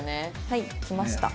はい来ました。